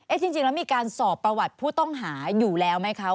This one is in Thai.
จริงแล้วมีการสอบประวัติผู้ต้องหาอยู่แล้วไหมคะ